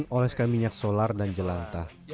kita akan mengoleskan minyak solar